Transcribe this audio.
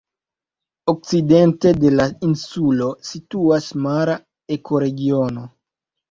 Okcidente de la insulo situas mara ekoregiono.